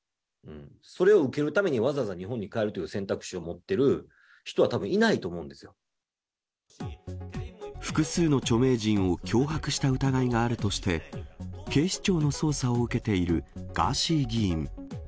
それを受けるために、わざわざ日本に帰るという選択肢を持ってる人はたぶん、いないと複数の著名人を脅迫した疑いがあるとして、警視庁の捜査を受けているガーシー議員。